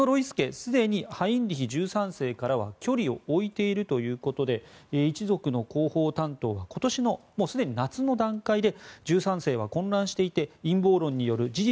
すでにハインリヒ１３世からは距離を置いているということで一族の広報担当はすでに今年の夏の段階で１３世は混乱していて陰謀論による事実